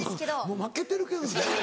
もう負けてるけど。